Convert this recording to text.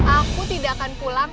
aku tidak akan pulang